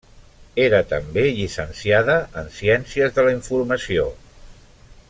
Era també llicenciada en Ciències de la Informació.